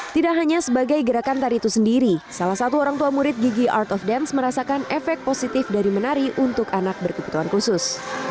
tidak hanya sebagai gerakan tari itu sendiri salah satu orang tua murid gigi art of dance merasakan efek positif dari menari untuk anak berkebutuhan khusus